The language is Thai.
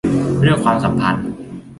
เรื่องความสัมพันธ์